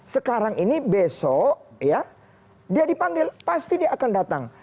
sekarang ini besok ya dia dipanggil pasti dia akan datang